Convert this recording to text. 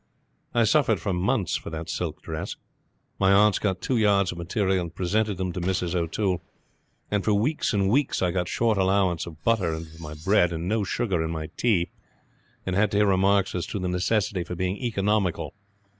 I suffered for months for that silk dress. My aunts got two yards of material and presented them to Mrs. O'Toole; and for weeks and weeks I got short allowance of butter to my bread and no sugar in my tea, and had to hear remarks as to the necessity for being economical.